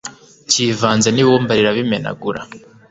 kivanze n ibumba rirabimenagura